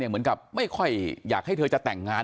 เหมือนกับไม่ค่อยอยากให้เธอจะแต่งงาน